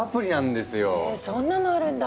ヘそんなのあるんだ！